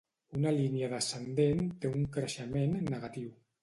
Una línia descendent té un "creixement" negatiu.